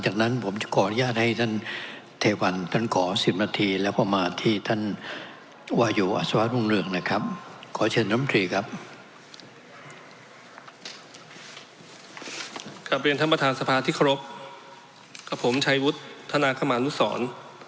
กลับเรียนท่านประธานสภาที่เคารพกับผมชัยวุฒิธนาคมานุสร